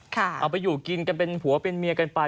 เอาไปอยู่กินกันเป็นผัวเป็นเมียกันไป